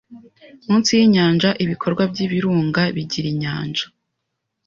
Munsi yinyanja ibikorwa byibirunga bigira inyanja